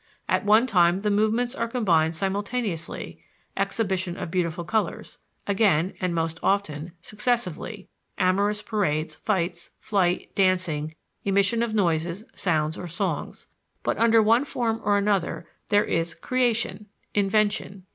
At one time the movements are combined simultaneously (exhibition of beautiful colors), again (and most often) successively (amorous parades, fights, flight, dancing, emission of noises, sounds or songs); but, under one form or another, there is creation, invention.